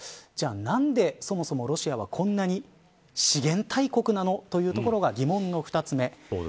じゃあ何で、そもそもロシアはこんなに資源大国なのかというところが疑問の２つ目。